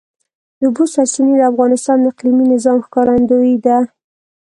د اوبو سرچینې د افغانستان د اقلیمي نظام ښکارندوی ده.